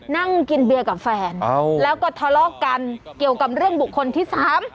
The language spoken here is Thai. นั่งกินเบียร์กับแฟนแล้วก็ทะเลาะกันเกี่ยวกับเรื่องบุคคลที่สาม